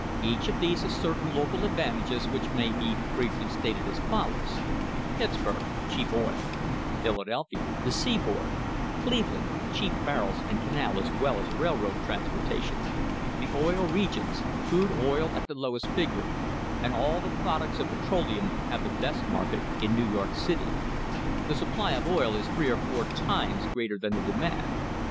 Each of these has certain local advantages which may be briefly stated as follows: Pittsburg, cheap oil; Phila delphia, the seaboard; Cleveland, cheap barrels, and canal as well as railroad trans portation; the Oil Regions, crude oil at the lowest figure; and all the products of petroleum have the best market in New York city. The supply of oil is three or four times greater than the demand.